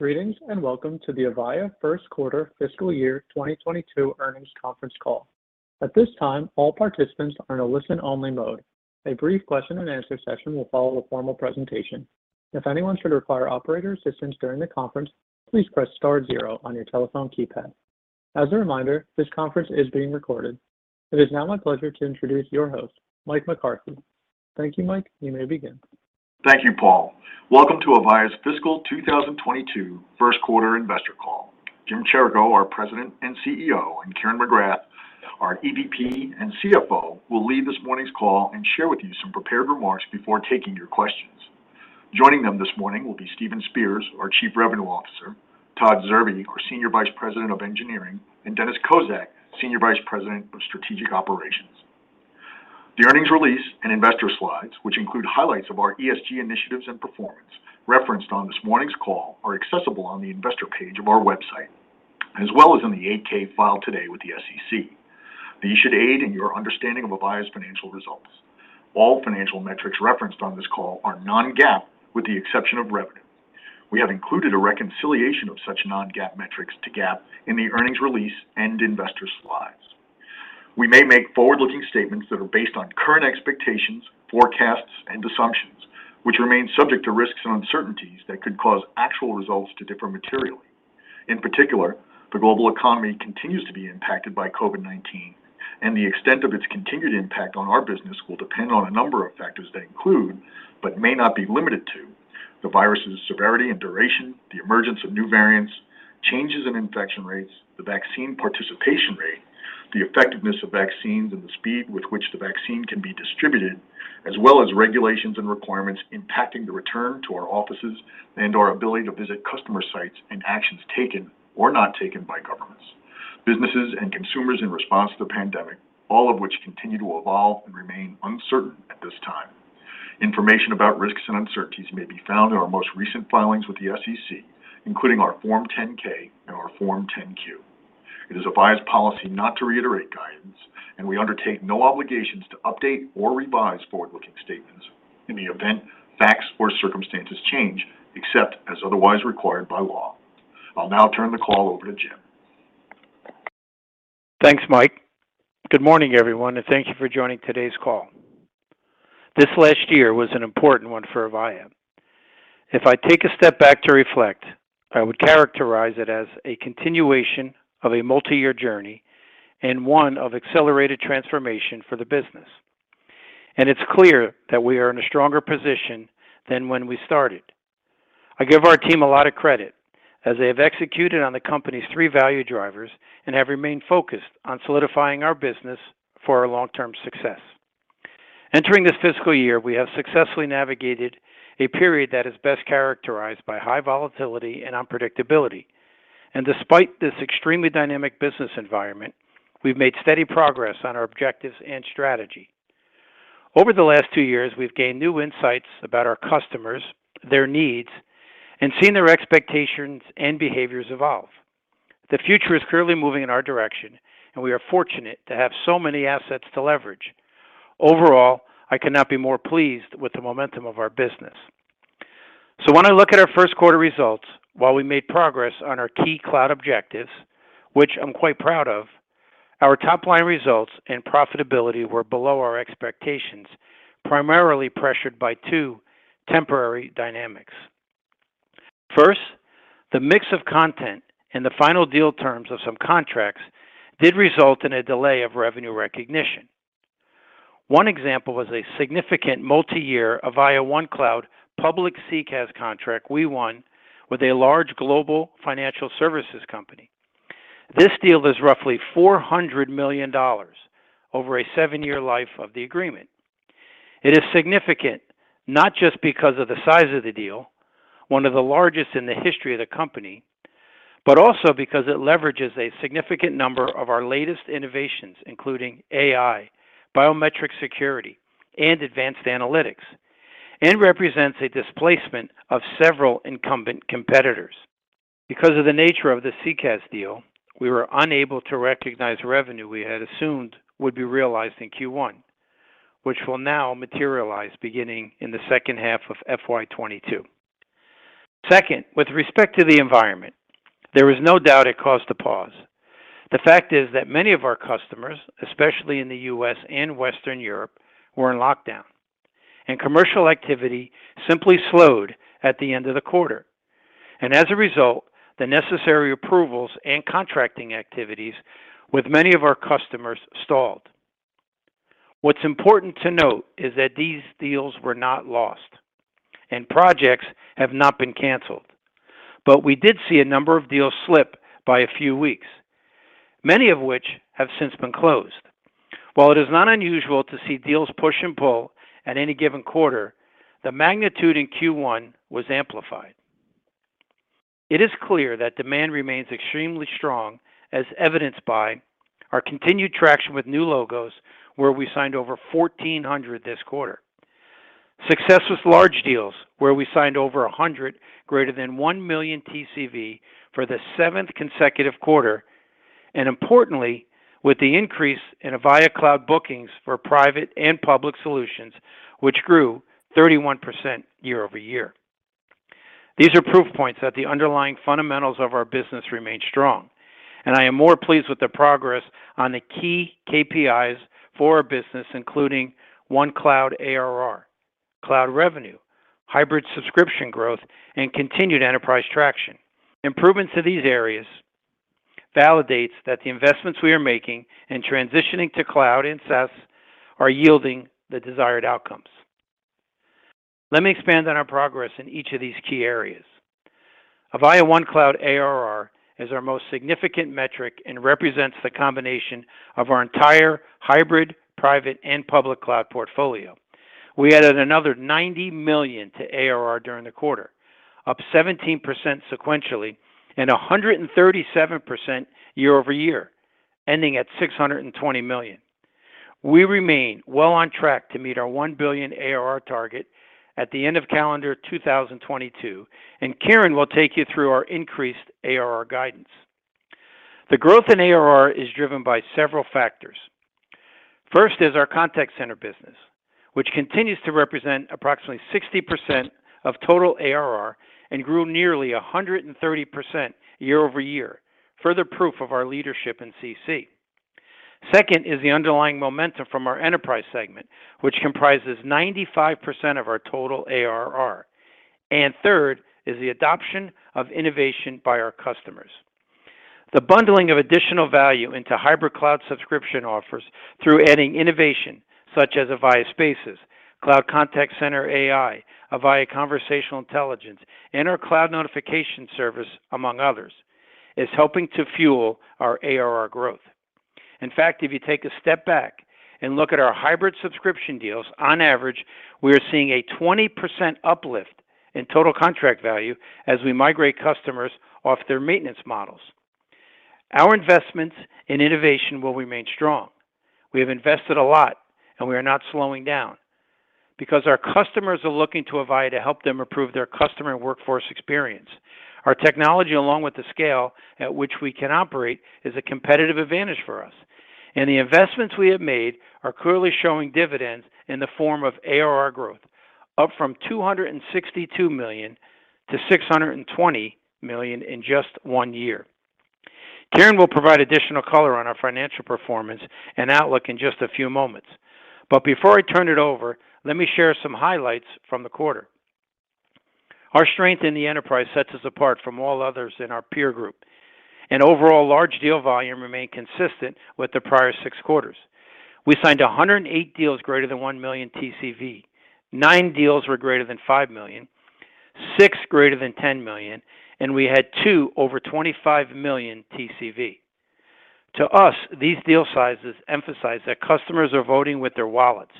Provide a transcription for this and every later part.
Greetings, and welcome to the Avaya first quarter fiscal year 2022 earnings conference call. At this time, all participants are in a listen only mode. A brief question-and-answer session will follow the formal presentation. If anyone should require operator assistance during the conference, please press Star zero on your telephone keypad. As a reminder, this conference is being recorded. It is now my pleasure to introduce your host, Mike McCarthy. Thank you, Mike. You may begin. Thank you, Paul. Welcome to Avaya's fiscal 2022 first quarter investor call. Jim Chirico, our President and CEO, and Kieran McGrath, our EVP and CFO, will lead this morning's call and share with you some prepared remarks before taking your questions. Joining them this morning will be Stephen Spears, our Chief Revenue Officer, Todd Zerbe, our Senior Vice President of Engineering, and Dennis Kozak, Senior Vice President of Strategic Operations. The earnings release and investor slides, which include highlights of our ESG initiatives and performance referenced on this morning's call, are accessible on the investor page of our website, as well as in the 8-K filed today with the SEC. These should aid in your understanding of Avaya's financial results. All financial metrics referenced on this call are non-GAAP, with the exception of revenue. We have included a reconciliation of such non-GAAP metrics to GAAP in the earnings release and investor slides. We may make forward-looking statements that are based on current expectations, forecasts, and assumptions, which remain subject to risks and uncertainties that could cause actual results to differ materially. In particular, the global economy continues to be impacted by COVID-19, and the extent of its continued impact on our business will depend on a number of factors that include, but may not be limited to, the virus's severity and duration, the emergence of new variants, changes in infection rates, the vaccine participation rate, the effectiveness of vaccines, and the speed with which the vaccine can be distributed, as well as regulations and requirements impacting the return to our offices and our ability to visit customer sites and actions taken or not taken by governments, businesses, and consumers in response to the pandemic, all of which continue to evolve and remain uncertain at this time. Information about risks and uncertainties may be found in our most recent filings with the SEC, including our Form 10-K and our Form 10-Q. It is Avaya's policy not to reiterate guidance, and we undertake no obligations to update or revise forward-looking statements in the event facts or circumstances change, except as otherwise required by law. I'll now turn the call over to Jim. Thanks, Mike. Good morning, everyone, and thank you for joining today's call. This last year was an important one for Avaya. If I take a step back to reflect, I would characterize it as a continuation of a multi-year journey and one of accelerated transformation for the business. It's clear that we are in a stronger position than when we started. I give our team a lot of credit as they have executed on the company's three value drivers and have remained focused on solidifying our business for our long-term success. Entering this fiscal year, we have successfully navigated a period that is best characterized by high volatility and unpredictability. Despite this extremely dynamic business environment, we've made steady progress on our objectives and strategy. Over the last two years, we've gained new insights about our customers, their needs, and seen their expectations and behaviors evolve. The future is clearly moving in our direction, and we are fortunate to have so many assets to leverage. Overall, I could not be more pleased with the momentum of our business. When I look at our first quarter results, while we made progress on our key cloud objectives, which I'm quite proud of, our top line results and profitability were below our expectations, primarily pressured by two temporary dynamics. First, the mix of content and the final deal terms of some contracts did result in a delay of revenue recognition. One example was a significant multi-year Avaya OneCloud public CCaaS contract we won with a large global financial services company. This deal is roughly $400 million over a seven-year life of the agreement. It is significant, not just because of the size of the deal, one of the largest in the history of the company, but also because it leverages a significant number of our latest innovations, including AI, biometric security, and advanced analytics, and represents a displacement of several incumbent competitors. Because of the nature of the CCaaS deal, we were unable to recognize revenue we had assumed would be realized in Q1, which will now materialize beginning in the second half of FY 2022. Second, with respect to the environment, there is no doubt it caused a pause. The fact is that many of our customers, especially in the U.S. and Western Europe, were in lockdown, and commercial activity simply slowed at the end of the quarter. As a result, the necessary approvals and contracting activities with many of our customers stalled. What's important to note is that these deals were not lost and projects have not been canceled. We did see a number of deals slip by a few weeks, many of which have since been closed. While it is not unusual to see deals push and pull at any given quarter, the magnitude in Q1 was amplified. It is clear that demand remains extremely strong, as evidenced by our continued traction with new logos, where we signed over 1,400 this quarter. Success with large deals where we signed over 100 greater than $1 million TCV for the seventh consecutive quarter. Importantly, with the increase in Avaya Cloud bookings for private and public solutions, which grew 31% year-over-year. These are proof points that the underlying fundamentals of our business remain strong, and I am more pleased with the progress on the key KPIs for our business, including OneCloud ARR, cloud revenue, hybrid subscription growth, and continued enterprise traction. Improvements to these areas validates that the investments we are making in transitioning to cloud and SaaS are yielding the desired outcomes. Let me expand on our progress in each of these key areas. Avaya OneCloud ARR is our most significant metric and represents the combination of our entire hybrid, private, and public cloud portfolio. We added another $90 million to ARR during the quarter, up 17% sequentially and 137% year-over-year, ending at $620 million. We remain well on track to meet our $1 billion ARR target at the end of calendar 2022, and Kieran will take you through our increased ARR guidance. The growth in ARR is driven by several factors. First is our Contact Center business, which continues to represent approximately 60% of total ARR and grew nearly 130% year-over-year. Further proof of our leadership in CC. Second is the underlying momentum from our Enterprise segment, which comprises 95% of our total ARR. Third is the adoption of innovation by our customers. The bundling of additional value into hybrid cloud subscription offers through adding innovation such as Avaya Spaces, Cloud Contact Center AI, Avaya Conversational Intelligence, and our Cloud Notification Service, among others, is helping to fuel our ARR growth. In fact, if you take a step back and look at our hybrid subscription deals, on average, we are seeing a 20% uplift in total contract value as we migrate customers off their maintenance models. Our investments in innovation will remain strong. We have invested a lot, and we are not slowing down because our customers are looking to Avaya to help them improve their customer workforce experience. Our technology, along with the scale at which we can operate, is a competitive advantage for us, and the investments we have made are clearly showing dividends in the form of ARR growth, up from $262 million-$620 million in just one year. Kieran will provide additional color on our financial performance and outlook in just a few moments. Before I turn it over, let me share some highlights from the quarter. Our strength in the enterprise sets us apart from all others in our peer group, and overall large deal volume remained consistent with the prior six quarters. We signed 108 deals greater than $1 million TCV. Nine deals were greater than $5 million, six greater than $10 million, and we had 2 over $25 million TCV. To us, these deal sizes emphasize that customers are voting with their wallets,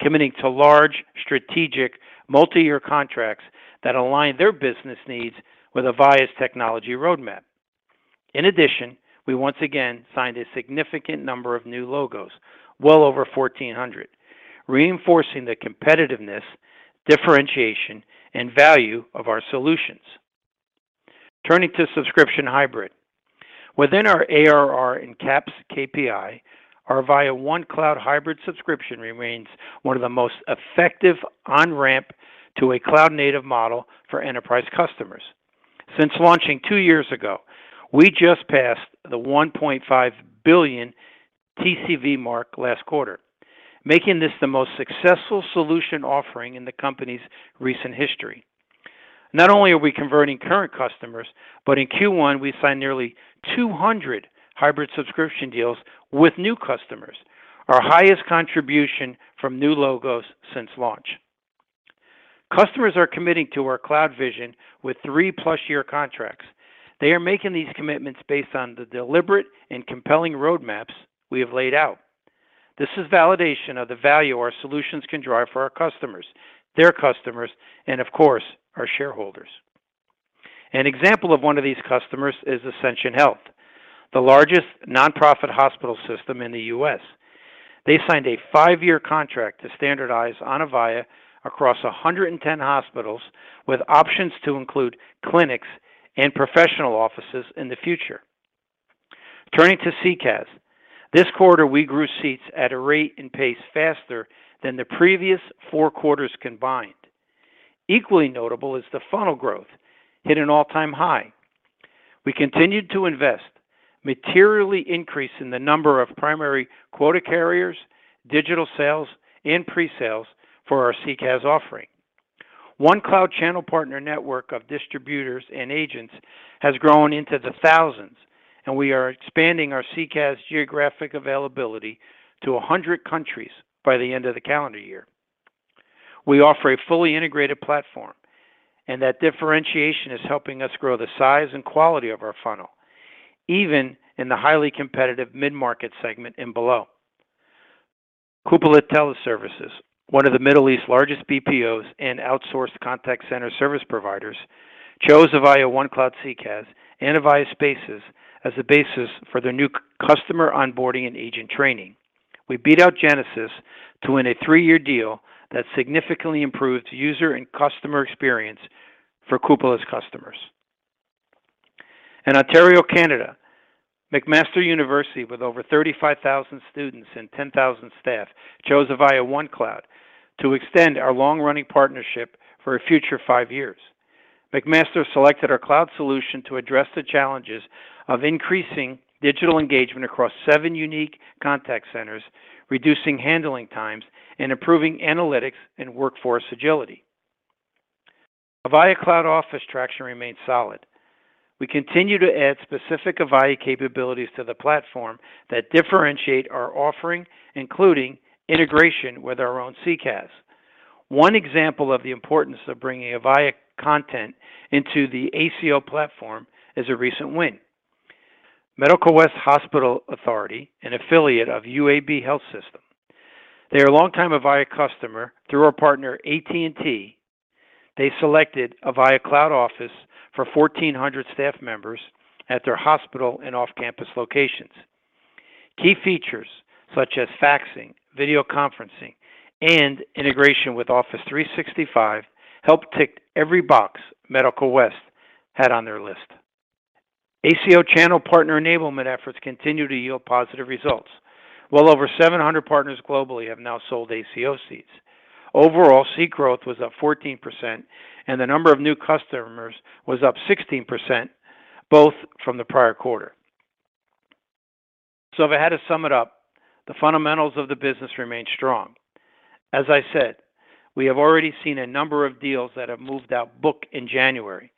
committing to large, strategic, multi-year contracts that align their business needs with Avaya's technology roadmap. In addition, we once again signed a significant number of new logos, well over 1,400, reinforcing the competitiveness, differentiation, and value of our solutions. Turning to subscription hybrid. Within our ARR and CAPS KPI, our Avaya OneCloud Hybrid subscription remains one of the most effective on-ramp to a cloud-native model for enterprise customers. Since launching two years ago, we just passed the $1.5 billion TCV mark last quarter, making this the most successful solution offering in the company's recent history. Not only are we converting current customers, but in Q1, we signed nearly 200 hybrid subscription deals with new customers, our highest contribution from new logos since launch. Customers are committing to our cloud vision with 3+ year contracts. They are making these commitments based on the deliberate and compelling roadmaps we have laid out. This is validation of the value our solutions can drive for our customers, their customers, and of course, our shareholders. An example of one of these customers is Ascension Health, the largest nonprofit hospital system in the U.S. They signed a five-year contract to standardize on Avaya across 110 hospitals with options to include clinics and professional offices in the future. Turning to CCaaS. This quarter, we grew seats at a rate and pace faster than the previous four quarters combined. Equally notable is the funnel growth hit an all-time high. We continued to invest, materially increasing the number of primary quota carriers, digital sales, and pre-sales for our CCaaS offering. OneCloud channel partner network of distributors and agents has grown into the thousands, and we are expanding our CCaaS geographic availability to 100 countries by the end of the calendar year. We offer a fully integrated platform, and that differentiation is helping us grow the size and quality of our funnel, even in the highly competitive mid-market segment and below. Cupola Teleservices, one of the Middle East's largest BPOs and outsourced contact center service providers, chose Avaya OneCloud CCaaS and Avaya Spaces as the basis for their new customer onboarding and agent training. We beat out Genesys to win a three-year deal that significantly improved user and customer experience for Cupola's customers. In Ontario, Canada, McMaster University, with over 35,000 students and 10,000 staff, chose Avaya OneCloud to extend our long-running partnership for a future five years. McMaster selected our cloud solution to address the challenges of increasing digital engagement across seven unique contact centers, reducing handling times, and improving analytics and workforce agility. Avaya Cloud Office traction remains solid. We continue to add specific Avaya capabilities to the platform that differentiate our offering, including integration with our own CCaaS. One example of the importance of bringing Avaya content into the ACO platform is a recent win. Medical West Hospital Authority, an affiliate of UAB Health System, they're a long-time Avaya customer through our partner AT&T. They selected Avaya Cloud Office for 1,400 staff members at their hospital and off-campus locations. Key features such as faxing, video conferencing, and integration with Office 365 helped tick every box Medical West had on their list. ACO channel partner enablement efforts continue to yield positive results. Well over 700 partners globally have now sold ACO seats. Overall, seat growth was up 14%, and the number of new customers was up 16%, both from the prior quarter. If I had to sum it up, the fundamentals of the business remain strong. As I said, we have already seen a number of deals that have moved out of book in January,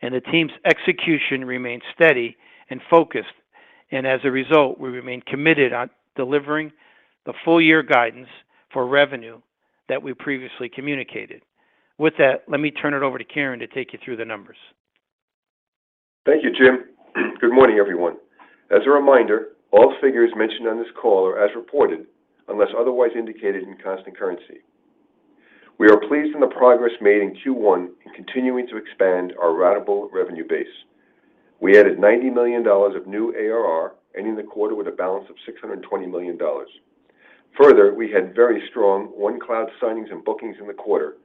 and the team's execution remains steady and focused, and as a result, we remain committed on delivering the full-year guidance for revenue that we previously communicated. With that, let me turn it over to Kieran to take you through the numbers. Thank you, Jim. Good morning, everyone. As a reminder, all figures mentioned on this call are as reported unless otherwise indicated in constant currency. We are pleased in the progress made in Q1 in continuing to expand our ratable revenue base. We added $90 million of new ARR, ending the quarter with a balance of $620 million. Further, we had very strong OneCloud signings and bookings in the quarter,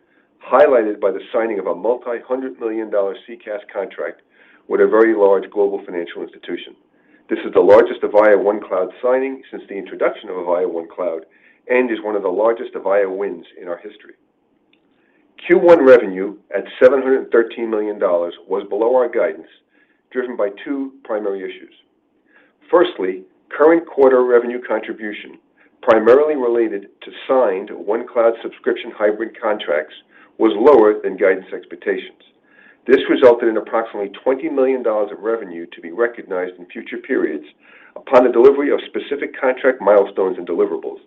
highlighted by the signing of a multi-hundred million dollar CCaaS contract with a very large global financial institution. This is the largest Avaya OneCloud signing since the introduction of Avaya OneCloud and is one of the largest Avaya wins in our history. Q1 revenue at $713 million was below our guidance, driven by two primary issues. Firstly, current quarter revenue contribution, primarily related to signed OneCloud subscription hybrid contracts, was lower than guidance expectations. This resulted in approximately $20 million of revenue to be recognized in future periods upon the delivery of specific contract milestones and deliverables.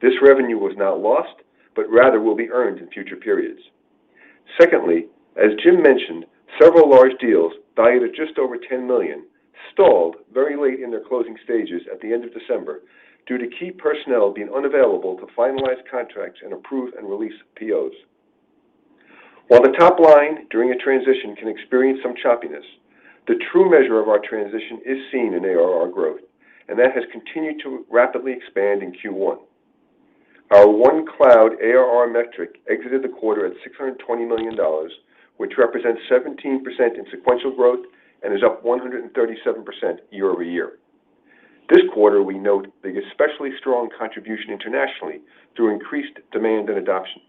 This revenue was not lost, but rather will be earned in future periods. Secondly, as Jim mentioned, several large deals valued at just over $10 million stalled very late in their closing stages at the end of December due to key personnel being unavailable to finalize contracts and approve and release POs. While the top line during a transition can experience some choppiness, the true measure of our transition is seen in ARR growth, and that has continued to rapidly expand in Q1. Our OneCloud ARR metric exited the quarter at $620 million, which represents 17% in sequential growth and is up 137% year-over-year. This quarter, we note the especially strong contribution internationally through increased demand and adoption.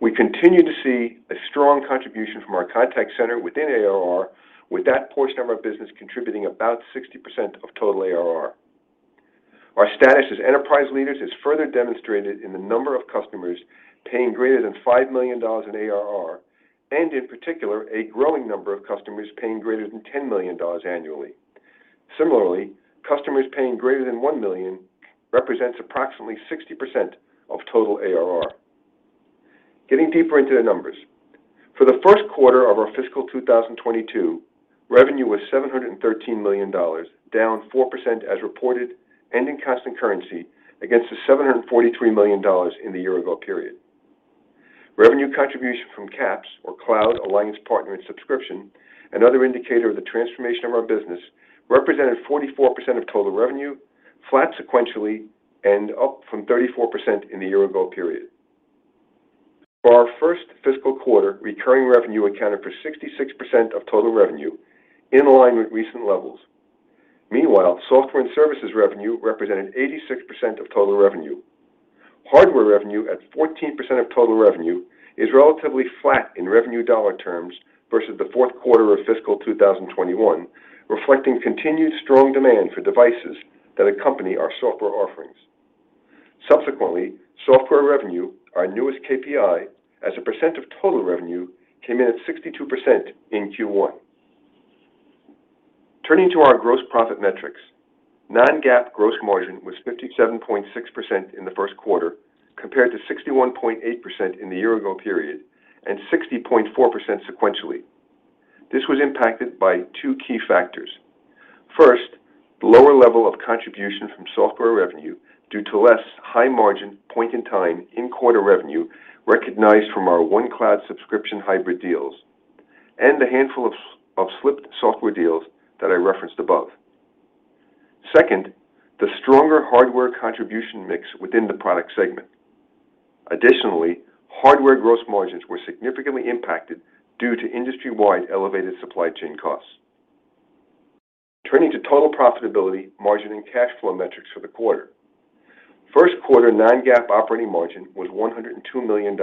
We continue to see a strong contribution from our contact center within ARR, with that portion of our business contributing about 60% of total ARR. Our status as enterprise leaders is further demonstrated in the number of customers paying greater than $5 million in ARR, and in particular, a growing number of customers paying greater than $10 million annually. Similarly, customers paying greater than $1 million represents approximately 60% of total ARR. Getting deeper into the numbers. For the first quarter of our Fiscal 2022, revenue was $713 million, down 4% as reported and in constant currency against the $743 million in the year-ago period. Revenue contribution from CAPS, or Cloud Alliance Partner and Subscription, another indicator of the transformation of our business, represented 44% of total revenue, flat sequentially and up from 34% in the year-ago period. For our first fiscal quarter, recurring revenue accounted for 66% of total revenue, in line with recent levels. Meanwhile, Software and Services revenue represented 86% of total revenue. Hardware revenue at 14% of total revenue is relatively flat in revenue dollar terms versus the fourth quarter of fiscal 2021, reflecting continued strong demand for devices that accompany our software offerings. Subsequently, Software revenue, our newest KPI, as a percent of total revenue, came in at 62% in Q1. Turning to our gross profit metrics, non-GAAP gross margin was 57.6% in the first quarter compared to 61.8% in the year-ago period and 60.4% sequentially. This was impacted by two key factors. First, the lower level of contribution from Software revenue due to less high-margin point-in-time in-quarter revenue recognized from our OneCloud subscription hybrid deals. A handful of SaaS slipped software deals that I referenced above. Second, the stronger hardware contribution mix within the product segment. Additionally, Hardware gross margins were significantly impacted due to industry-wide elevated supply chain costs. Turning to total profitability, margin, and cash flow metrics for the quarter. First quarter non-GAAP operating margin was $102 million,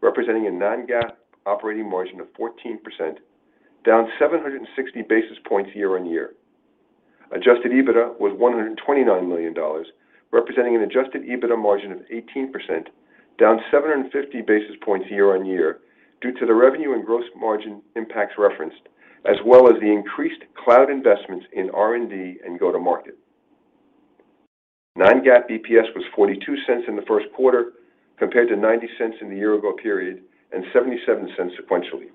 representing a non-GAAP operating margin of 14%, down 760 basis points year-on-year. Adjusted EBITDA was $129 million, representing an adjusted EBITDA margin of 18%, down 750 basis points year-on-year due to the revenue and gross margin impacts referenced, as well as the increased cloud investments in R&D and go-to-market. Non-GAAP EPS was $0.42 in the first quarter compared to $0.90 in the year ago period, and $0.77 sequentially.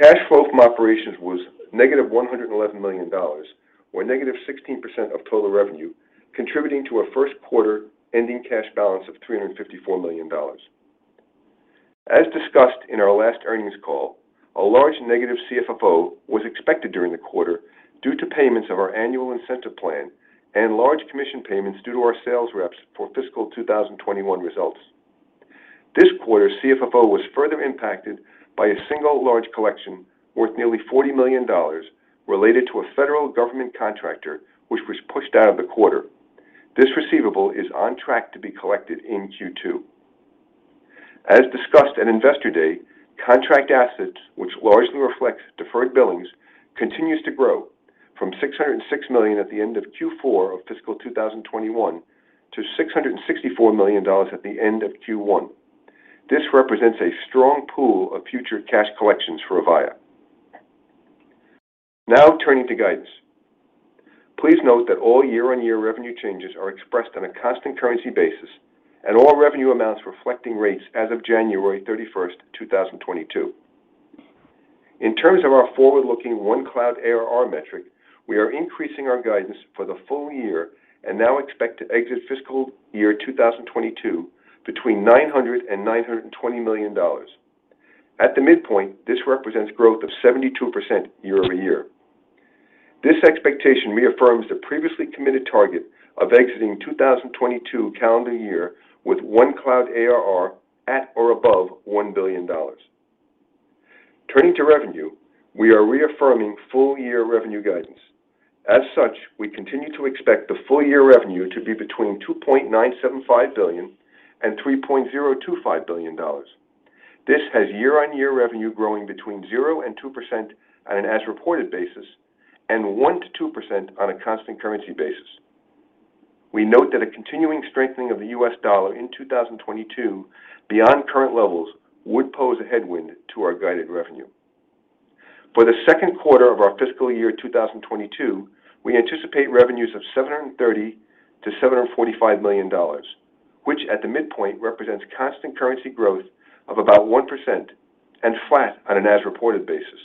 Cash flow from operations was -$111 million, or -16% of total revenue, contributing to a first quarter ending cash balance of $354 million. As discussed in our last earnings call, a large negative CFFO was expected during the quarter due to payments of our annual incentive plan and large commission payments due to our sales reps for Fiscal 2021 results. This quarter's CFFO was further impacted by a single large collection worth nearly $40 million related to a federal government contractor, which was pushed out of the quarter. This receivable is on track to be collected in Q2. As discussed at Investor Day, contract assets, which largely reflects deferred billings, continues to grow from $606 million at the end of Q4 of Fiscal 2021 to $664 million at the end of Q1. This represents a strong pool of future cash collections for Avaya. Now turning to guidance. Please note that all year-over-year revenue changes are expressed on a constant currency basis and all revenue amounts reflecting rates as of January 31st, 2022. In terms of our forward-looking OneCloud ARR metric, we are increasing our guidance for the full year and now expect to exit fiscal year 2022 between $900 million-$920 million. At the midpoint, this represents growth of 72% year-over-year. This expectation reaffirms the previously committed target of exiting 2022 calendar year with OneCloud ARR at or above $1 billion. Turning to revenue, we are reaffirming full-year revenue guidance. As such, we continue to expect the full-year revenue to be between $2.975 billion-$3.025 billion. This has year-on-year revenue growing between 0% and 2% on an as-reported basis, and 1%-2% on a constant currency basis. We note that a continuing strengthening of the U.S. dollar in 2022 beyond current levels would pose a headwind to our guided revenue. For the second quarter of our fiscal year 2022, we anticipate revenues of $730 million-$745 million, which at the midpoint represents constant currency growth of about 1% and flat on an as-reported basis.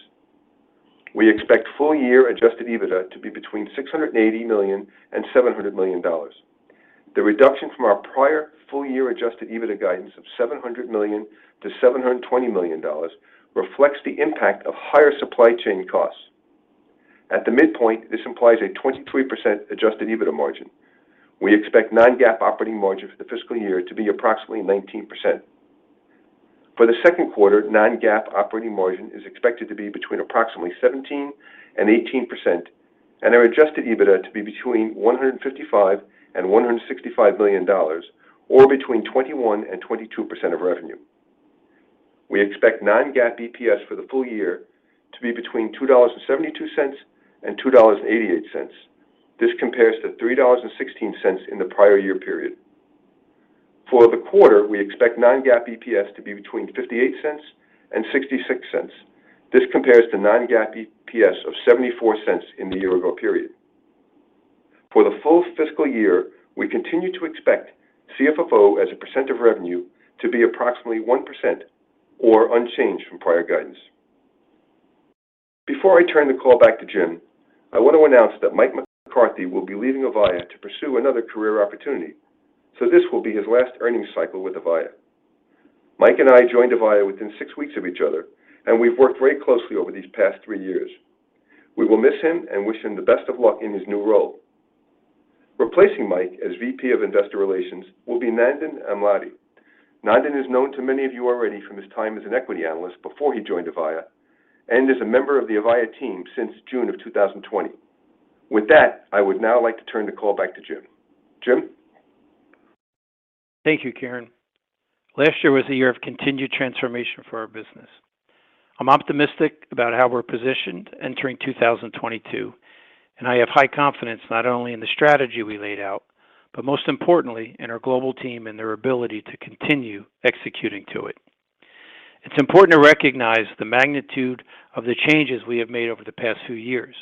We expect full-year adjusted EBITDA to be between $680 million and $700 million. The reduction from our prior full-year adjusted EBITDA guidance of $700 million-$720 million reflects the impact of higher supply chain costs. At the midpoint, this implies a 23% adjusted EBITDA margin. We expect non-GAAP operating margin for the fiscal year to be approximately 19%. For the second quarter, non-GAAP operating margin is expected to be between approximately 17% and 18% and our adjusted EBITDA to be between $155 million and $165 million or between 21% and 22% of revenue. We expect non-GAAP EPS for the full-year to be between $2.72 and $2.88. This compares to $3.16 in the prior year period. For the quarter, we expect non-GAAP EPS to be between $0.58 and $0.66. This compares to non-GAAP EPS of $0.74 in the year ago period. For the full fiscal year, we continue to expect CFFO as a percent of revenue to be approximately 1% or unchanged from prior guidance. Before I turn the call back to Jim, I want to announce that Mike McCarthy will be leaving Avaya to pursue another career opportunity, so this will be his last earnings cycle with Avaya. Mike and I joined Avaya within six weeks of each other, and we've worked very closely over these past three years. We will miss him and wish him the best of luck in his new role. Replacing Mike as VP of Investor Relations will be Nandan Amladi. Nandan is known to many of you already from his time as an Equity Analyst before he joined Avaya and is a member of the Avaya team since June of 2020. With that, I would now like to turn the call back to Jim. Jim? Thank you, Kieran. Last year was a year of continued transformation for our business. I'm optimistic about how we're positioned entering 2022, and I have high confidence not only in the strategy we laid out, but most importantly in our global team and their ability to continue executing to it. It's important to recognize the magnitude of the changes we have made over the past few years.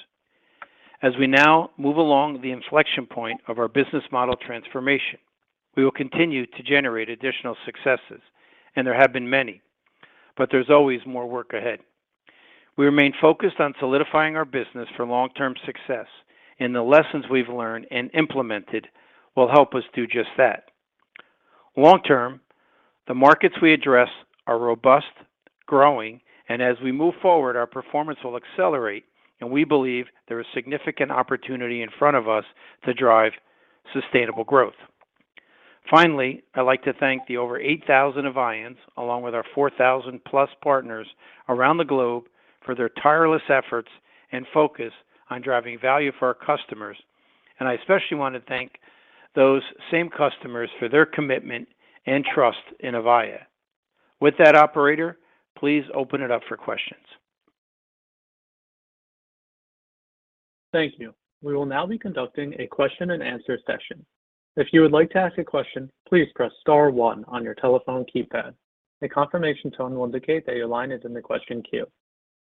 As we now move along the inflection point of our business model transformation, we will continue to generate additional successes, and there have been many, but there's always more work ahead. We remain focused on solidifying our business for long-term success, and the lessons we've learned and implemented will help us do just that. Long-term, the markets we address are robust, growing, and as we move forward, our performance will accelerate, and we believe there is significant opportunity in front of us to drive sustainable growth. Finally, I'd like to thank the over 8,000 Avayans, along with our 4,000+ partners around the globe for their tireless efforts and focus on driving value for our customers. I especially want to thank those same customers for their commitment and trust in Avaya. With that, operator, please open it up for questions. Thank you. We will now be conducting a question-and-answer session. If you would like to ask a question, please press Star one on your telephone keypad. A confirmation tone will indicate that your line is in the question queue.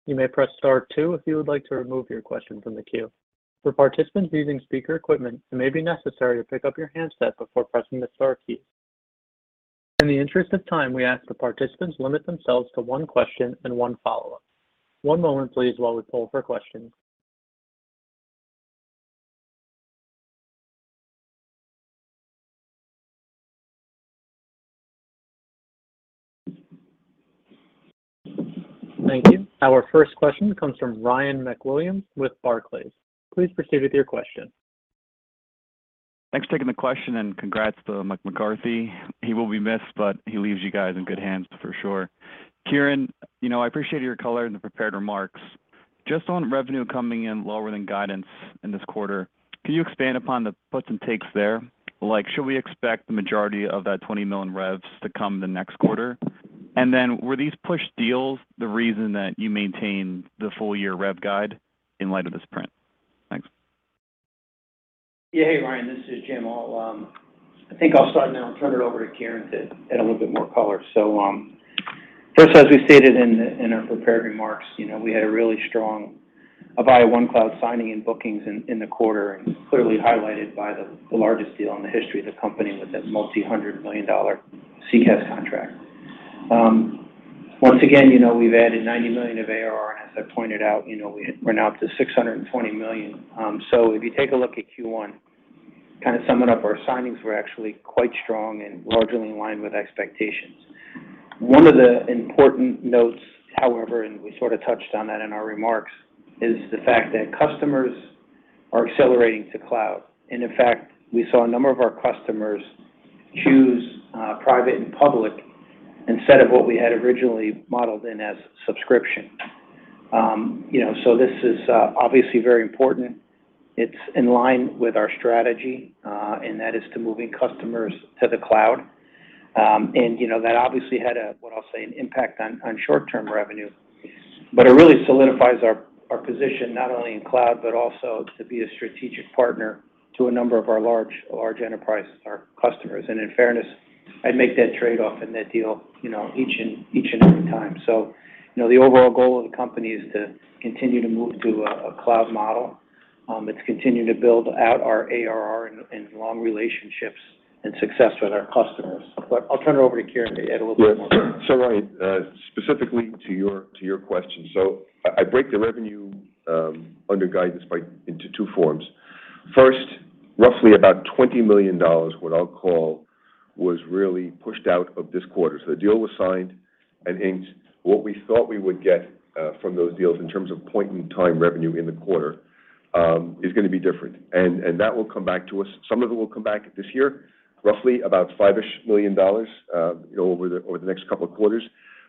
You may press Star two if you would like to remove your question from the queue. For participants using speaker equipment, it may be necessary to pick up your handset before pressing the star key. In the interest of time, we ask the participants limit themselves to one question and one follow-up. One moment, please, while we poll for questions. Thank you. Our first question comes from Ryan MacWilliams with Barclays. Please proceed with your question. Thanks for taking the question, and congrats to Mike McCarthy. He will be missed, but he leaves you guys in good hands for sure. Kieran, you know, I appreciate your color in the prepared remarks. Just on revenue coming in lower than guidance in this quarter, can you expand upon the puts and takes there? Like, should we expect the majority of that $20 million revs to come the next quarter? And then were these push deals the reason that you maintained the full-year rev guide in light of this print? Thanks. Yeah. Hey, Ryan, this is Jim. I think I'll start now and turn it over to Kieran to add a little bit more color. First, as we stated in our prepared remarks, you know, we had a really strong Avaya OneCloud signing and bookings in the quarter and clearly highlighted by the largest deal in the history of the company with that multi-hundred million dollar CCaaS contract. Once again, you know, we've added $90 million of ARR. As I pointed out, you know, we're now up to $620 million. If you take a look at Q1, kind of summing up, our signings were actually quite strong and largely in line with expectations. One of the important notes, however, and we sort of touched on that in our remarks, is the fact that customers are accelerating to cloud. In fact, we saw a number of our customers choose private and public instead of what we had originally modeled in as subscription. You know, this is obviously very important. It's in line with our strategy, and that is to moving customers to the cloud. You know, that obviously had a, what I'll say, an impact on short-term revenue. It really solidifies our position not only in cloud, but also to be a strategic partner to a number of our large enterprises, our customers. In fairness, I'd make that trade-off and that deal, you know, each and every time. You know, the overall goal of the company is to continue to move to a cloud model. It's continuing to build out our ARR and long relationships and success with our customers. I'll turn it over to Kieran to add a little bit more. Yeah. Ryan, specifically to your question. I break the revenue under guidance by into two forms. First, roughly about $20 million, what I'll call, was really pushed out of this quarter. The deal was signed and inked. What we thought we would get from those deals in terms of point-in-time revenue in the quarter is gonna be different. That will come back to us. Some of it will come back this year, roughly about $5 million, you know, over the next couple of quarters.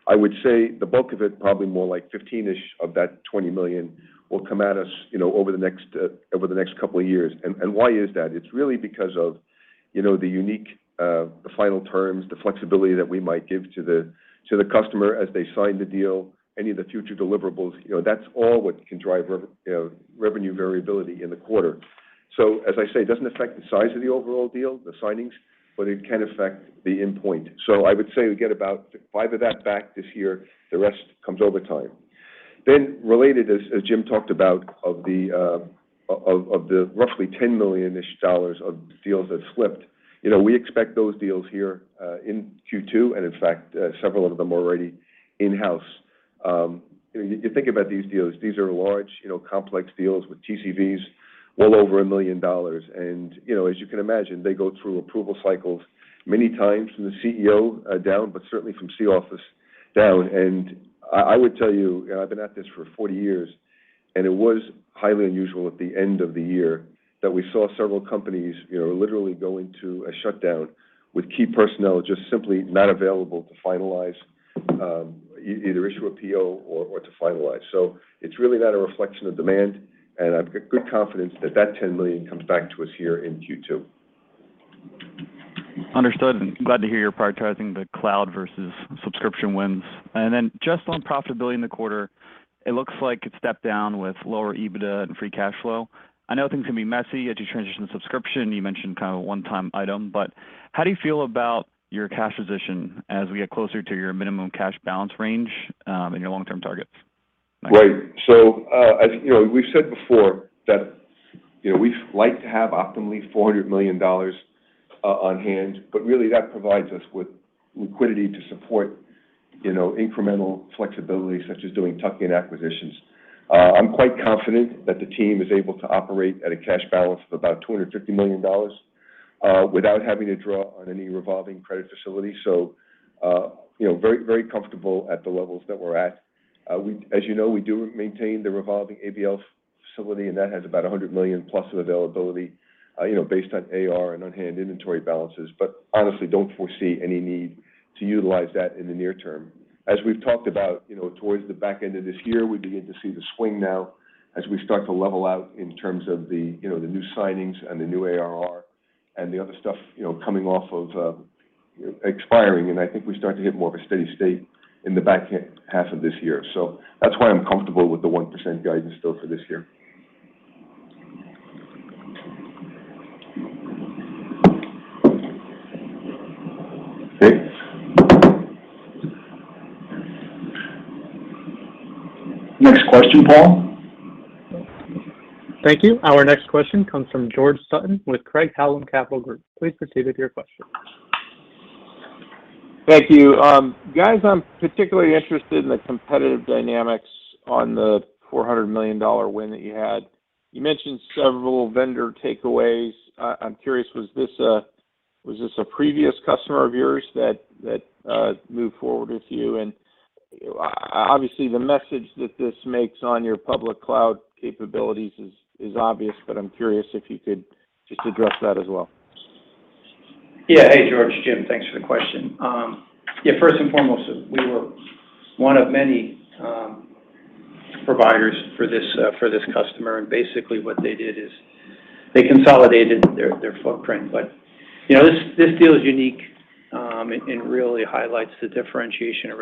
I would say the bulk of it, probably more like 15-ish of that $20 million will come at us, you know, over the next couple of years. Why is that? It's really because of, you know, the unique, the final terms, the flexibility that we might give to the customer as they sign the deal, any of the future deliverables. You know, that's all what can drive rev, you know, revenue variability in the quarter. As I say, it doesn't affect the size of the overall deal, the signings, but it can affect the end point. I would say we get about five of that back this year. The rest comes over time. Related, as Jim talked about, of the roughly $10 million of deals that slipped, you know, we expect those deals here in Q2, and in fact, several of them already in-house. You know, you think about these deals. These are large, you know, complex deals with TCVs well over $1 million. You know, as you can imagine, they go through approval cycles many times from the CEO down, but certainly from C-suite down. I would tell you, I've been at this for 40 years, and it was highly unusual at the end of the year that we saw several companies, you know, literally going to a shutdown with key personnel just simply not available to finalize either issue a PO or to finalize. It's really not a reflection of demand, and I've got good confidence that that $10 million comes back to us here in Q2. Understood, and glad to hear you're prioritizing the cloud versus subscription wins. Just on profitability in the quarter, it looks like it stepped down with lower EBITDA and free cash flow. I know things can be messy as you transition to subscription. You mentioned kind of a one-time item. How do you feel about your cash position as we get closer to your minimum cash balance range, and your long-term targets? Right. As you know, we've said before that, you know, we like to have optimally $400 million on hand, but really that provides us with liquidity to support You know, incremental flexibility such as doing tuck-in acquisitions. I'm quite confident that the team is able to operate at a cash balance of about $250 million, without having to draw on any revolving credit facility. You know, very, very comfortable at the levels that we're at. As you know, we do maintain the revolving ABL facility, and that has about $100 million+ of availability, you know, based on AR and on-hand inventory balances. Honestly don't foresee any need to utilize that in the near-term. As we've talked about, you know, towards the back end of this year, we begin to see the swing now as we start to level out in terms of the, you know, the new signings and the new ARR and the other stuff, you know, coming off of, expiring. I think we start to hit more of a steady state in the back half of this year. That's why I'm comfortable with the 1% guidance still for this year. Okay. Next question, Paul. Thank you. Our next question comes from George Sutton with Craig-Hallum Capital Group. Please proceed with your question. Thank you. Guys, I'm particularly interested in the competitive dynamics on the $400 million win that you had. You mentioned several vendor takeaways. I'm curious, was this a previous customer of yours that moved forward with you? Obviously, the message that this makes on your public cloud capabilities is obvious, but I'm curious if you could just address that as well. Yeah. Hey, George. Jim, thanks for the question. Yeah, first and foremost, we were one of many providers for this customer, and basically what they did is they consolidated their footprint. You know, this deal is unique and really highlights the differentiation and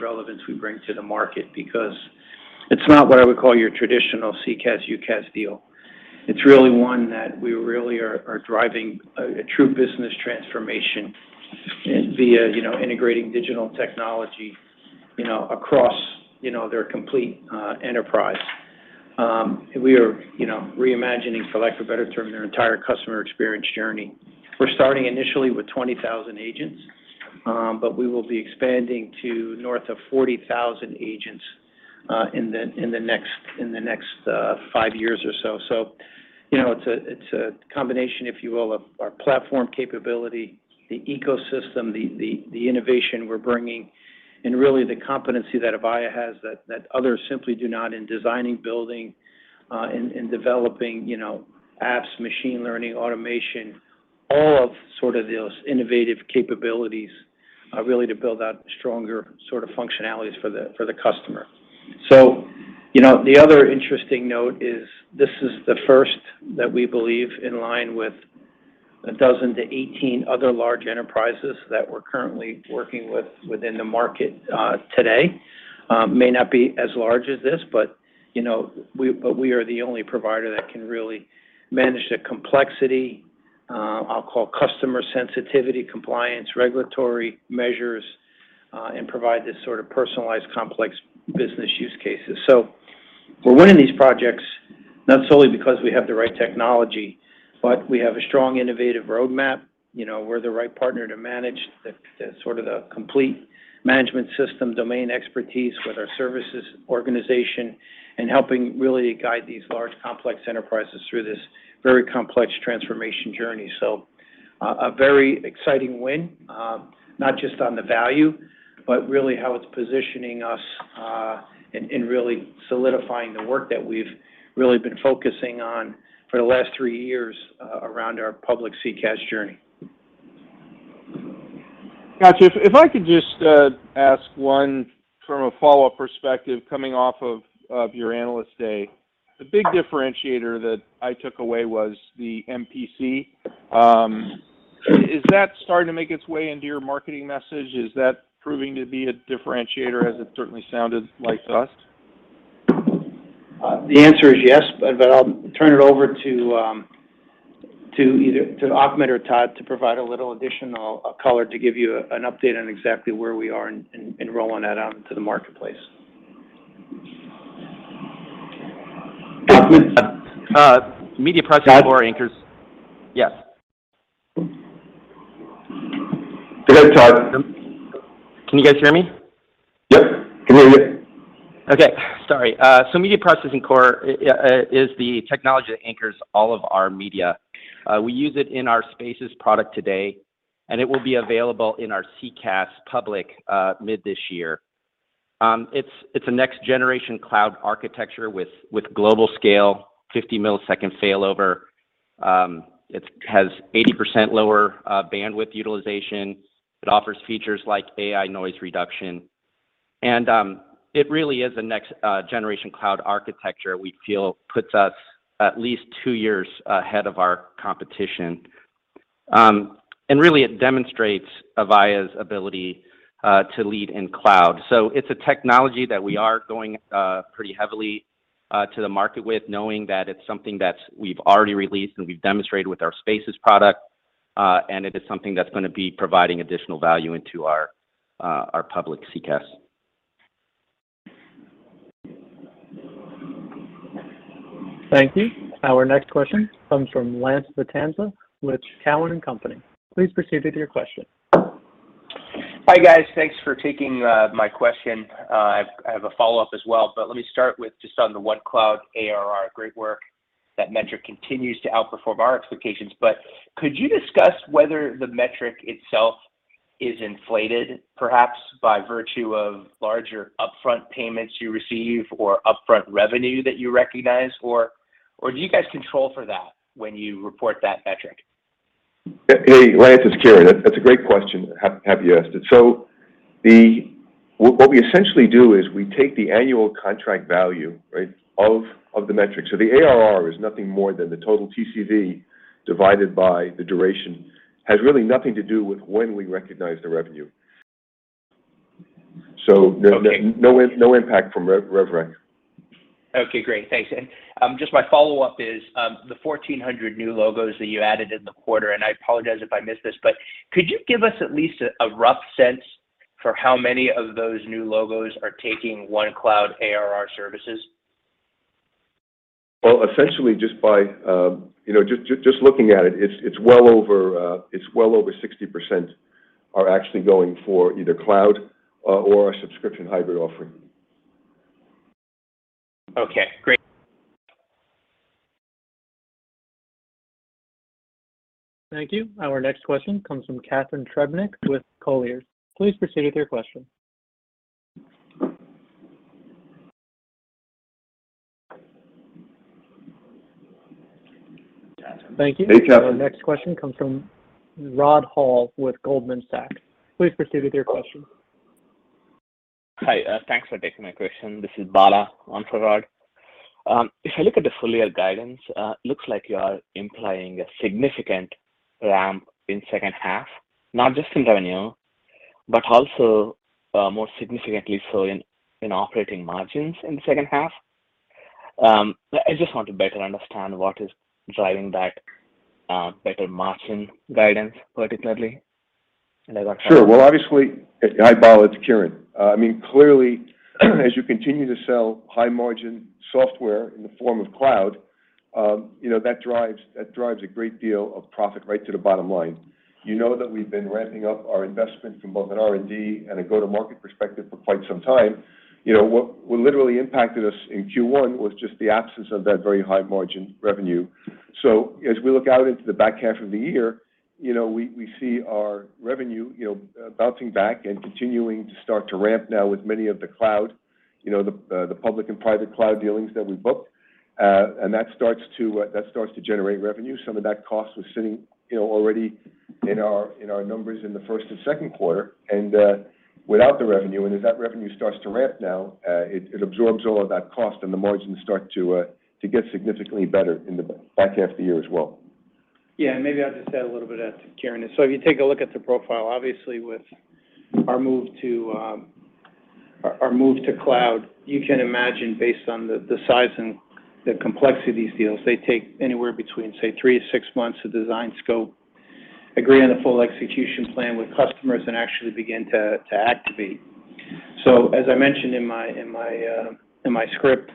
relevance we bring to the market because it's not what I would call your traditional CCaaS, UCaaS deal. It's really one that we are driving a true business transformation via integrating digital technology across their complete enterprise. You know, we are reimagining, for lack of a better term, their entire customer experience journey. We're starting initially with 20,000 agents, but we will be expanding to north of 40,000 agents in the next five years or so. You know, it's a combination, if you will, of our platform capability, the ecosystem, the innovation we're bringing, and really the competency that Avaya has that others simply do not in designing, building, in developing, you know, apps, machine learning, automation, all of sort of those innovative capabilities, really to build out stronger sort of functionalities for the customer. You know, the other interesting note is this is the first that we believe in line with 12-18 other large enterprises that we're currently working with within the market today. May not be as large as this, but you know, but we are the only provider that can really manage the complexity. I'll call customer sensitivity, compliance, regulatory measures, and provide this sort of personalized complex business use cases. We're winning these projects not solely because we have the right technology, but we have a strong innovative roadmap. You know, we're the right partner to manage the sort of complete management system domain expertise with our services organization and helping really guide these large, complex enterprises through this very complex transformation journey. A very exciting win, not just on the value, but really how it's positioning us in really solidifying the work that we've really been focusing on for the last three years around our public CCaaS journey. Gotcha. If I could just ask one from a follow-up perspective coming off of your Analyst Day. The big differentiator that I took away was the MPC. Is that starting to make its way into your marketing message? Is that proving to be a differentiator as it certainly sounded like to us? The answer is yes, but I'll turn it over to either Ahmed or Todd to provide a little additional color to give you an update on exactly where we are in rolling that out into the marketplace. Media Processing Core anchors- Todd? Yes. Go ahead, Todd. Can you guys hear me? Yep. Can hear you. Media Processing Core is the technology that anchors all of our media. We use it in our Spaces product today, and it will be available in our CCaaS public cloud mid this year. It's a next-generation cloud architecture with global scale, 50 ms failover. It has 80% lower bandwidth utilization. It offers features like AI noise reduction, and it really is a next-generation cloud architecture we feel puts us at least two years ahead of ou`r competition. Really, it demonstrates Avaya's ability to lead in cloud. It's a technology that we are going pretty heavily to the market with knowing that it's something that we've already released and we've demonstrated with our Spaces product, and it is something that's gonna be providing additional value into our public CCaaS. Thank you. Our next question comes from Lance Vitanza with Cowen and Company. Please proceed with your question. Hi guys. Thanks for taking my question. I have a follow-up as well, but let me start with just on the OneCloud ARR. Great work. That metric continues to outperform our expectations. Could you discuss whether the metric itself is inflated, perhaps by virtue of larger upfront payments you receive or upfront revenue that you recognize, or do you guys control for that when you report that metric? Hey, Lance, it's Kieran. That's a great question. Have you asked it? What we essentially do is we take the annual contract value, right, of the metric. The ARR is nothing more than the total TCV divided by the duration. It has really nothing to do with when we recognize the revenue. Okay. No, no impact from rev rec. Okay, great. Thanks. Just my follow-up is the 1,400 new logos that you added in the quarter, and I apologize if I missed this, but could you give us at least a rough sense for how many of those new logos are taking OneCloud ARR services? Well, essentially just by, you know, just looking at it's well over 60% are actually going for either cloud or a subscription hybrid offering. Okay, great. Thank you. Our next question comes from Catharine Trebnick with Colliers. Please proceed with your question. Hey, Catharine. Thank you. Our next question comes from Rod Hall with Goldman Sachs. Please proceed with your question. Hi. Thanks for taking my question. This is Bala in for Rod. If I look at the full year guidance, looks like you are implying a significant ramp in second half, not just in revenue, but also more significantly so in operating margins in the second half. I just want to better understand what is driving that better margin guidance particularly. I got- Sure. Well, obviously. Hi, Bala, it's Kieran. I mean, clearly, as you continue to sell high margin software in the form of cloud, you know, that drives a great deal of profit right to the bottom line. You know that we've been ramping up our investment from both an R&D and a go-to-market perspective for quite some time. You know, what literally impacted us in Q1 was just the absence of that very high margin revenue. As we look out into the back half of the year, you know, we see our revenue, you know, bouncing back and continuing to start to ramp now with many of the cloud, you know, the public and private cloud dealings that we booked. And that starts to generate revenue. Some of that cost was sitting, you know, already in our numbers in the first and second quarter. Without the revenue, and as that revenue starts to ramp now, it absorbs all of that cost and the margins start to get significantly better in the back half of the year as well. Yeah, maybe I'll just add a little bit to Kieran. If you take a look at the profile, obviously with our move to our move to cloud, you can imagine based on the size and the complexity of these deals, they take anywhere between, say, 3-6 months to design, scope, agree on a full execution plan with customers, and actually begin to activate. As I mentioned in my script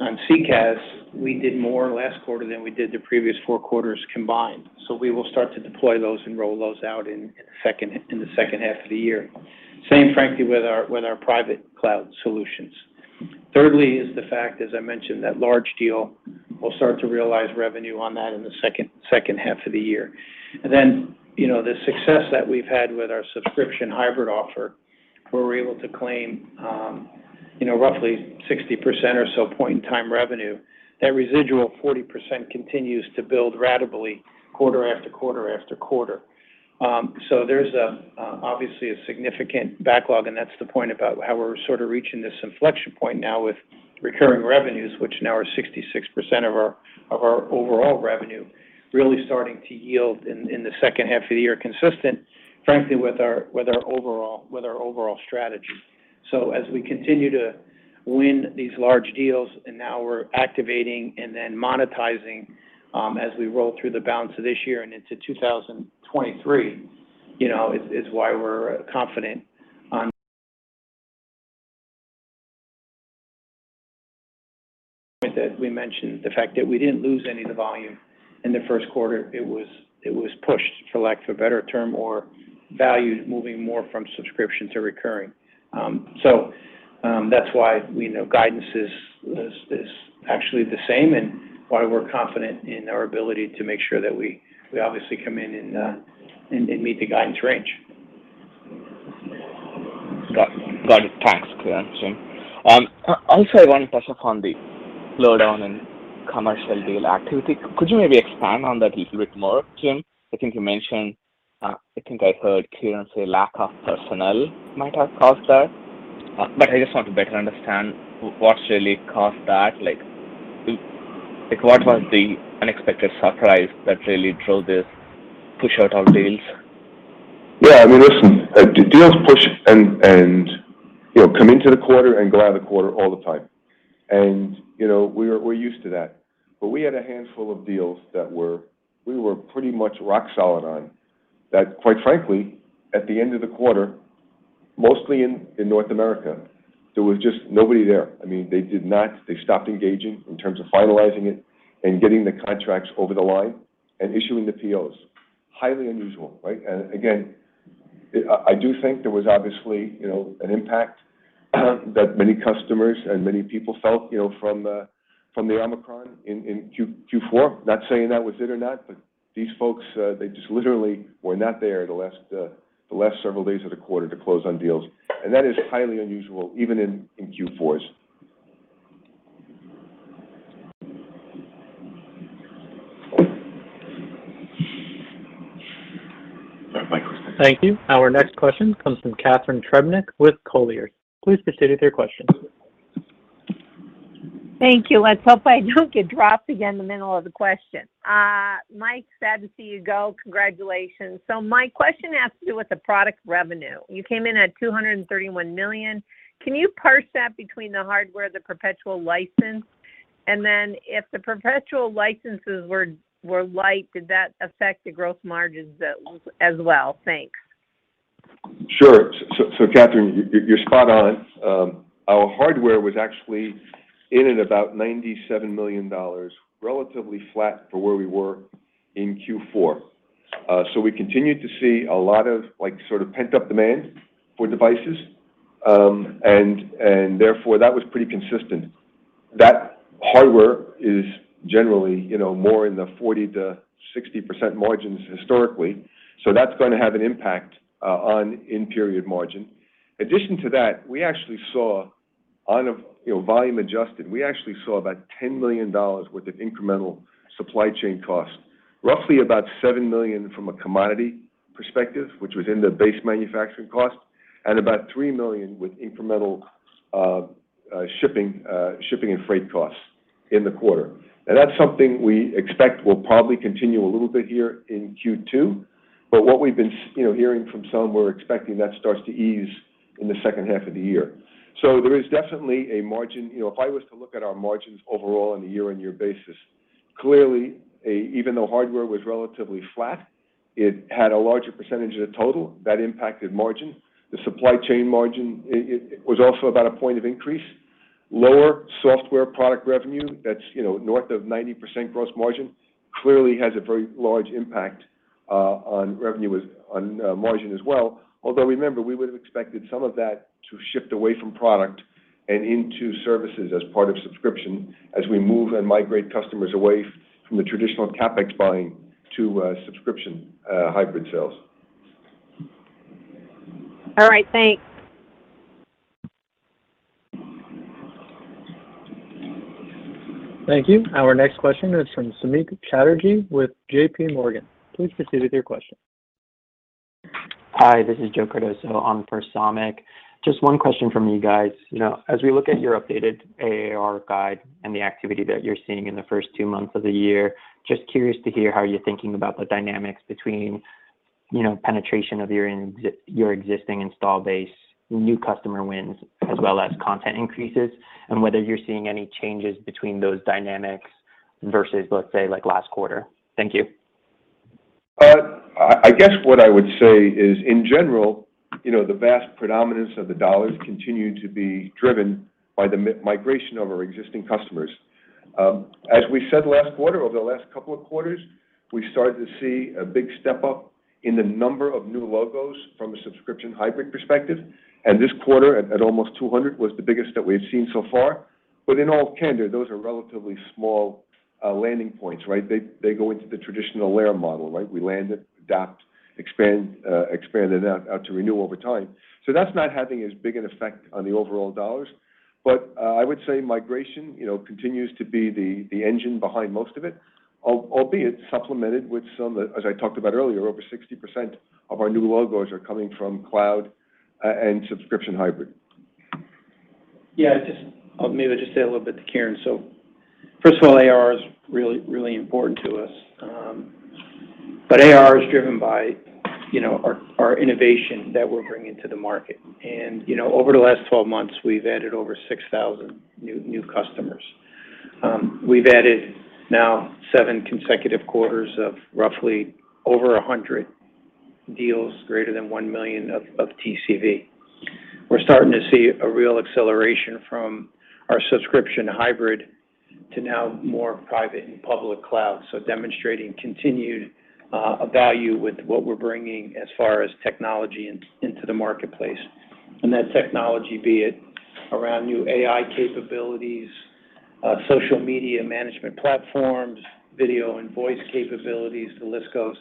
on CCaaS, we did more last quarter than we did the previous 4 quarters combined. We will start to deploy those and roll those out in the second half of the year. Same, frankly, with our Private Cloud Solutions. Thirdly is the fact, as I mentioned, that large deal will start to realize revenue on that in the second half of the year. Then, you know, the success that we've had with our subscription hybrid offer, where we're able to claim, you know, roughly 60% or so point-in-time revenue, that residual 40% continues to build ratably quarter after quarter-after-quarter. There's obviously a significant backlog, and that's the point about how we're sort of reaching this inflection point now with recurring revenues, which now are 66% of our overall revenue, really starting to yield in the second half of the year, consistent, frankly, with our overall strategy. As we continue to win these large deals and now we're activating and then monetizing, as we roll through the balance of this year and into 2023, you know, is why we're confident on point that we mentioned, the fact that we didn't lose any of the volume in the first quarter. It was pushed, for lack of a better term, or value moving more from subscription to recurring. That's why we know guidance is actually the same and why we're confident in our ability to make sure that we obviously come in and meet the guidance range. Got it. Thanks, Kieran. Also, I want to touch upon the slowdown in commercial deal activity. Could you maybe expand on that a little bit more, Jim? I think you mentioned I think I heard Kieran say lack of personnel might have caused that. But I just want to better understand what really caused that. Like, what was the unexpected surprise that really drove this push out on deals? Yeah, I mean, listen, deals push and, you know, come into the quarter and go out of the quarter all the time. You know, we're used to that. We had a handful of deals that were, we were pretty much rock solid on that, quite frankly, at the end of the quarter. Mostly in North America, there was just nobody there. I mean, they did not. They stopped engaging in terms of finalizing it and getting the contracts over the line and issuing the POs. Highly unusual, right? Again, I do think there was obviously, you know, an impact that many customers and many people felt, you know, from the Omicron in Q4. Not saying that was it or not, but these folks, they just literally were not there the last several days of the quarter to close on deals. That is highly unusual, even in Q4s. Thank you. Our next question comes from Catharine Trebnick with Colliers. Please proceed with your question. Thank you. Let's hope I don't get dropped again in the middle of the question. Mike, sad to see you go. Congratulations. My question has to do with the product revenue. You came in at $231 million. Can you parse that between the Hardware, the perpetual license? If the perpetual licenses were light, did that affect the growth margins as well? Thanks. Sure. Catherine, you're spot on. Our Hardware was actually in at about $97 million, relatively flat for where we were in Q4. We continued to see a lot of, like, sort of pent-up demand for devices. Therefore, that was pretty consistent. That hardware is generally, you know, more in the 40%-60% margins historically. That's gonna have an impact on in-period margin. In addition to that, we actually saw, you know, volume-adjusted, about $10 million worth of incremental supply chain costs, roughly about $7 million from a commodity perspective, which was in the base manufacturing cost, and about $3 million with incremental shipping and freight costs in the quarter. Now, that's something we expect will probably continue a little bit here in Q2, but what we've been, you know, hearing from some, we're expecting that starts to ease in the second half of the year. So there is definitely a margin. You know, if I was to look at our margins overall on a year-on-year basis, clearly, even though hardware was relatively flat, it had a larger percentage of the total that impacted margin. The supply chain margin, it was also about a point of increase. Lower software product revenue that's, you know, north of 90% gross margin clearly has a very large impact on margin as well. Although remember, we would have expected some of that to shift away from product and into services as part of subscription as we move and migrate customers away from the traditional CapEx buying to subscription, hybrid sales. All right. Thanks. Thank you. Our next question is from Samik Chatterjee with JPMorgan. Please proceed with your question. Hi, this is Joe Cardoso on for Samik. Just one question from you guys. You know, as we look at your updated ARR guide and the activity that you're seeing in the first two months of the year, just curious to hear how you're thinking about the dynamics between, you know, penetration of your existing install base, new customer wins, as well as content increases, and whether you're seeing any changes between those dynamics versus, let's say, like last quarter. Thank you. I guess what I would say is, in general, you know, the vast predominance of the dollars continue to be driven by the migration of our existing customers. As we said last quarter, over the last couple of quarters, we started to see a big step up in the number of new logos from a subscription hybrid perspective. This quarter at almost 200 was the biggest that we had seen so far. In all candor, those are relatively small landing points, right? They go into the traditional land-and-expand model, right? We land it, and expand it out to renew over time. That's not having as big an effect on the overall dollars. I would say migration, you know, continues to be the engine behind most of it, albeit supplemented with some that, as I talked about earlier, over 60% of our new logos are coming from cloud and subscription hybrid. I'll maybe just say a little bit to Kieran. First of all, ARR is really important to us. ARR is driven by, you know, our innovation that we're bringing to the market. You know, over the last 12 months, we've added over 6,000 new customers. We've added now seven consecutive quarters of roughly over 100 deals greater than $1 million of TCV. We're starting to see a real acceleration from our subscription hybrid to now more private and public cloud. Demonstrating continued value with what we're bringing as far as technology into the marketplace. That technology, be it around new AI capabilities, social media management platforms, video and voice capabilities, the list goes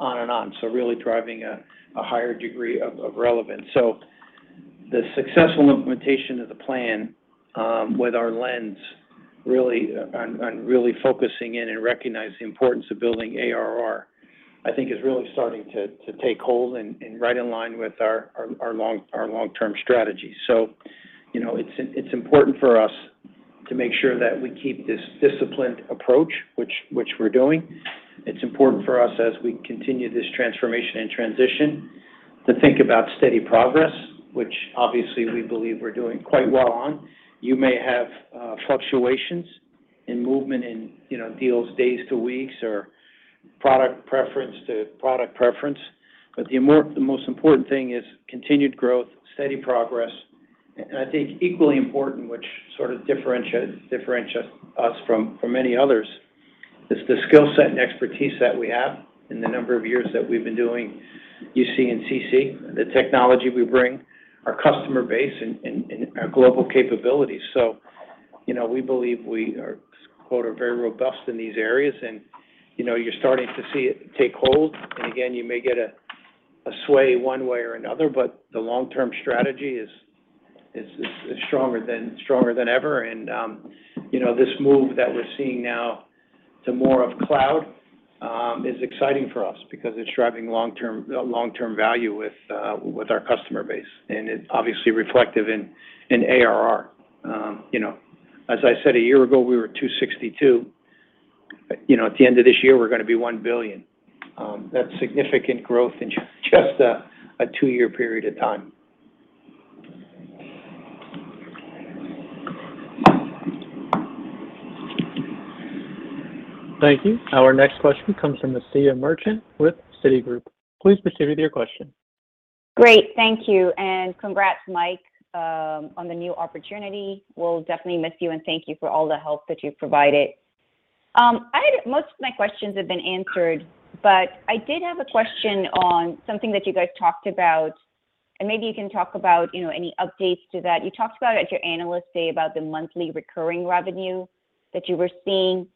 on and on. Really driving a higher degree of relevance. The successful implementation of the plan, with our lens, really, on really focusing in and recognizing the importance of building ARR, I think is really starting to take hold and right in line with our long-term strategy. You know, it's important for us to make sure that we keep this disciplined approach, which we're doing. It's important for us as we continue this transformation and transition to think about steady progress, which obviously we believe we're doing quite well on. You may have fluctuations. In movement in, you know, deals days to weeks or product preference to product preference. The most important thing is continued growth, steady progress. I think equally important, which sort of differentiate us from many others, is the skill set and expertise that we have and the number of years that we've been doing UC and CC, the technology we bring, our customer base and our global capabilities. You know, we believe we are, quote, are very robust in these areas, and, you know, you're starting to see it take hold. Again, you may get a sway one way or another, but the long-term strategy is stronger than ever. You know, this move that we're seeing now to more of cloud is exciting for us because it's driving long-term value with our customer base, and it's obviously reflective in ARR. You know, as I said, a year ago, we were $262. You know, at the end of this year, we're gonna be $1 billion. That's significant growth in just a two-year period of time. Thank you. Our next question comes from Asiya Merchant with Citigroup. Please proceed with your question. Great. Thank you, and congrats, Mike, on the new opportunity. We'll definitely miss you, and thank you for all the help that you've provided. Most of my questions have been answered, but I did have a question on something that you guys talked about, and maybe you can talk about, you know, any updates to that. You talked about at your Analyst Day about the monthly recurring revenue that you were seeing.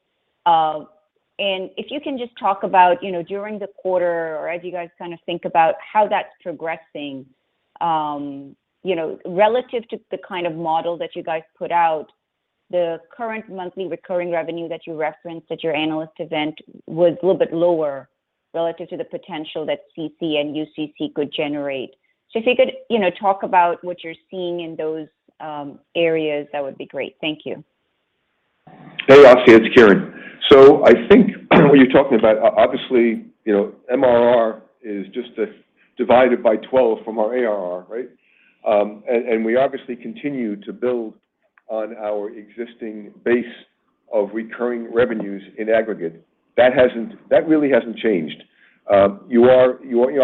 If you can just talk about, you know, during the quarter or as you guys kind of think about how that's progressing, you know, relative to the kind of model that you guys put out, the current monthly recurring revenue that you referenced at your Analyst event was a little bit lower relative to the potential that CC and UCC could generate. If you could, you know, talk about what you're seeing in those areas, that would be great. Thank you. Hey, Asiya, it's Kieran. I think what you're talking about, obviously, you know, MRR is just a divided by 12 from our ARR, right? We obviously continue to build on our existing base of recurring revenues in aggregate. That really hasn't changed. You are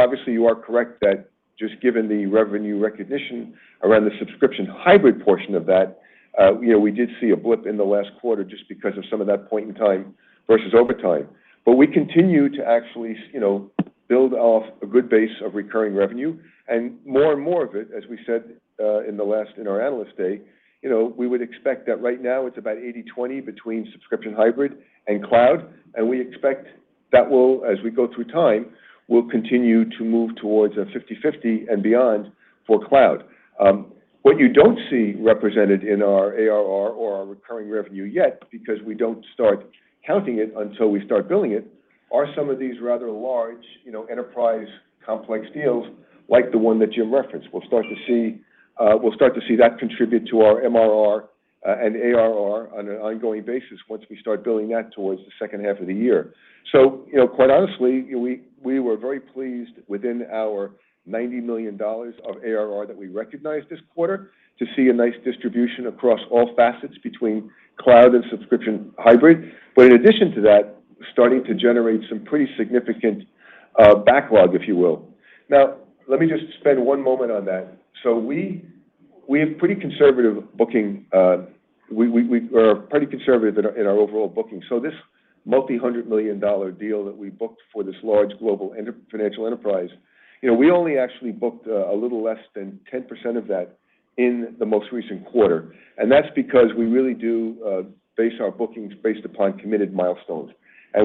obviously correct that just given the revenue recognition around the subscription hybrid portion of that, you know, we did see a blip in the last quarter just because of some of that point in time versus over time. We continue to actually, you know, build off a good base of recurring revenue and more and more of it, as we said, in our Analyst Day. You know, we would expect that right now it's about 80/20 between subscription hybrid and cloud, and we expect that will, as we go through time, will continue to move towards a 50/50 and beyond for cloud. What you don't see represented in our ARR or our recurring revenue yet, because we don't start counting it until we start billing it, are some of these rather large, you know, enterprise complex deals like the one that Jim referenced. We'll start to see that contribute to our MRR and ARR on an ongoing basis once we start billing that towards the second half of the year. You know, quite honestly, we were very pleased within our $90 million of ARR that we recognized this quarter to see a nice distribution across all facets between cloud and subscription hybrid. In addition to that, starting to generate some pretty significant backlog, if you will. Now, let me just spend one moment on that. We have pretty conservative booking. We are pretty conservative in our overall booking. This multi-hundred million dollar deal that we booked for this large global financial enterprise, you know, we only actually booked a little less than 10% of that in the most recent quarter. That's because we really do base our bookings based upon committed milestones.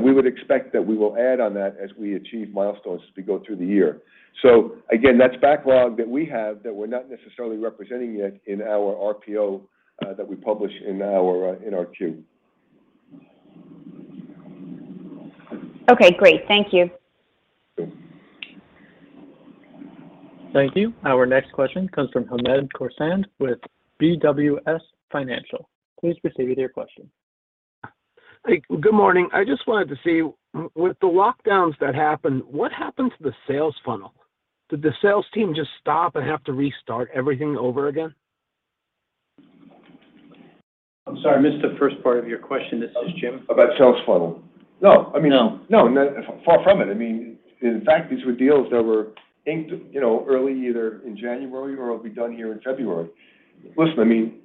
We would expect that we will add on that as we achieve milestones as we go through the year. Again, that's backlog that we have that we're not necessarily representing yet in our RPO that we publish in our Q. Okay, great. Thank you. Thank you. Our next question comes from Hamed Khorsand with BWS Financial. Please proceed with your question. Hey, good morning. I just wanted to see, with the lockdowns that happened, what happened to the sales funnel? Did the sales team just stop and have to restart everything over again? I'm sorry, I missed the first part of your question. This is Jim. About sales funnel. No, I mean. No. No, no, far from it. I mean, in fact, these were deals that were inked, you know, early either in January or it'll be done here in February. Listen, I mean,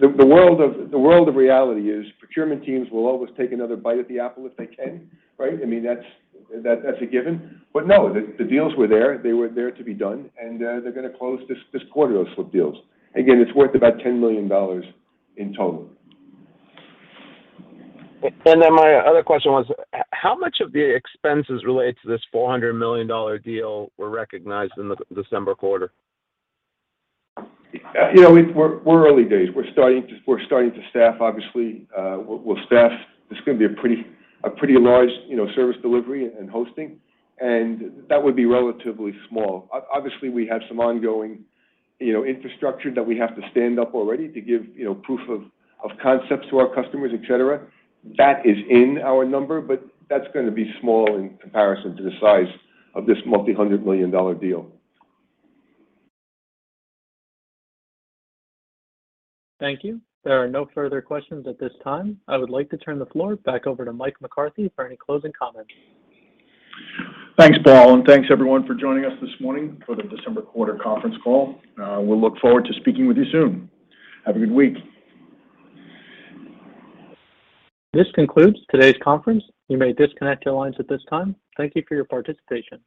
the world of reality is procurement teams will always take another bite at the apple if they can, right? I mean, that's a given. No, the deals were there. They were there to be done, and they're gonna close this quarter, those sort of deals. Again, it's worth about $10 million in total. My other question was, how much of the expenses related to this $400 million deal were recognized in the December quarter? You know, we're early days. We're starting to staff, obviously. We'll staff. This is gonna be a pretty large, you know, service delivery and hosting, and that would be relatively small. Obviously, we have some ongoing, you know, infrastructure that we have to stand up already to give, you know, proof of concepts to our customers, et cetera. That is in our number, but that's gonna be small in comparison to the size of this multi-hundred million dollar deal. Thank you. There are no further questions at this time. I would like to turn the floor back over to Mike McCarthy for any closing comments. Thanks, Paul, and thanks everyone for joining us this morning for the December quarter conference call. We'll look forward to speaking with you soon. Have a good week. This concludes today's conference. You may disconnect your lines at this time. Thank you for your participation.